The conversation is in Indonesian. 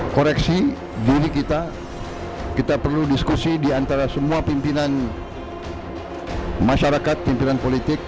koreksi diri kita kita perlu diskusi diantara semua pimpinan masyarakat pimpinan politik